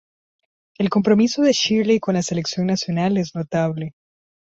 El compromiso de Shirley con la Selección nacional es notable.